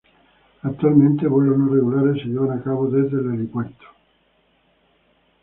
Actualmente, vuelos no regulares se llevan a cabo desde el helipuerto.